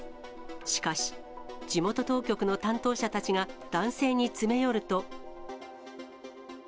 しかし、地元当局の担当者たちが男性に詰め寄ると。